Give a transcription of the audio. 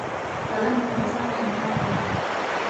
قلم له فساده انکار کوي